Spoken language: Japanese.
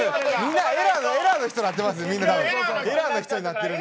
エラーの人なってますよ